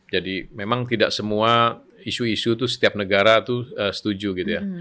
memang tidak semua isu isu itu setiap negara itu setuju gitu ya